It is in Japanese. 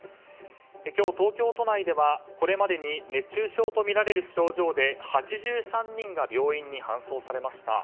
今日、東京都内ではこれまでに熱中症とみられる症状で８３人が病院に搬送されました。